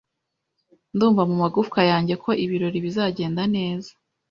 Ndumva mumagufwa yanjye ko ibirori bizagenda neza